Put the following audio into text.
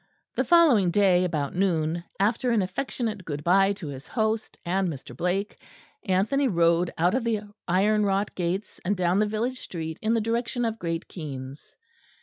The following day about noon, after an affectionate good bye to his host and Mr. Blake, Anthony rode out of the iron wrought gates and down the village street in the direction of Great Keynes.